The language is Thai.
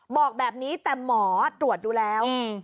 บอกแบบนี้แต่หมอตรวจดูแล้ว